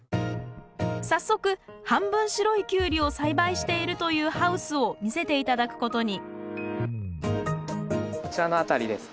早速半分白いキュウリを栽培しているというハウスを見せて頂くことにこちらの辺りです。